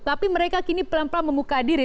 tapi mereka kini pelan pelan membuka diri